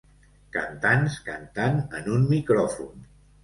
Cantants cantant en un micròfon.